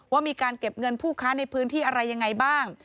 ว่ามีการเก็บเงินผู้ค้าในพื้นที่อะไรยังไงบ้าง